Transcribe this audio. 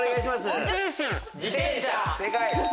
自転車。